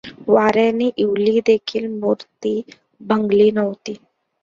वाऱ्याने इवली देखील मूर्ती भंगली नव्हती.